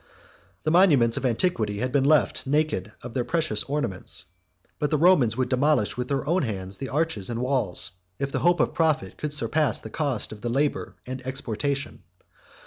The monuments of antiquity had been left naked of their precious ornaments; but the Romans would demolish with their own hands the arches and walls, if the hope of profit could surpass the cost of the labor and exportation.